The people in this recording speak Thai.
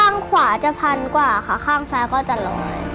ข้างขวาจะพันกว่าค่ะข้างฟ้าก็จะลอย